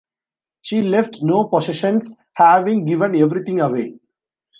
She left no possessions, having given everything away.